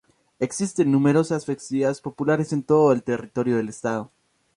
Existen numerosas festividades populares en todo el territorio del estado.